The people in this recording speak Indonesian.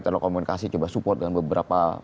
telekomunikasi coba support dengan beberapa